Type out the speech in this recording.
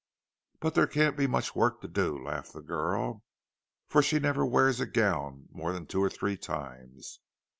"But there can't be much work to do," laughed the girl, "for she never wears a gown more than two or three times.